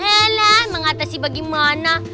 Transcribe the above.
helah mengatasi bagaimana